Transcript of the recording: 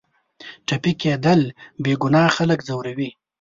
ټپي کېدل بېګناه خلک ځوروي.